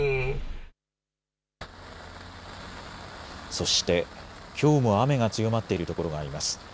そして、きょうも雨が強まっている所があります。